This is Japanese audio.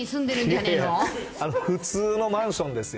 あの普通のマンションですよ。